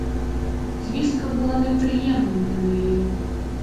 Звістка була неприємна для неї.